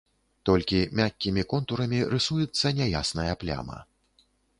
Толькі мяккімі контурамі рысуецца няясная пляма.